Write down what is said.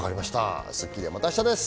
『スッキリ』はまた明日です。